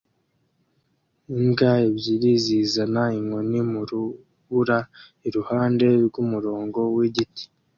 Imbwa ebyiri zizana inkoni mu rubura iruhande rw'umurongo w'igiti